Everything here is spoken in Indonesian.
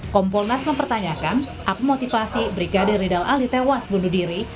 kompolnas mempertanyakan apa motivasi brigadir ridal ali tewas bunuh diri